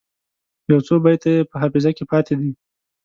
یو څو بیته یې په حافظه کې پاته دي.